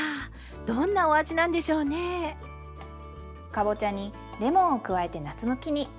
かぼちゃにレモンを加えて夏向きに。